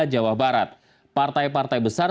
jawa barat partai partai besar